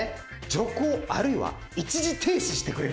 徐行あるいは一時停止してくれるんですよ。